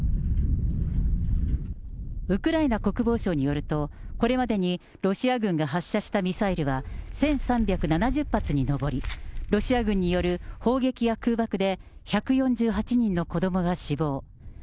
ウクライナ国防省によると、これまでにロシア軍が発射したミサイルは１３７０発に上り、ロシア軍による砲撃や空爆で１４８人の子どもが死亡。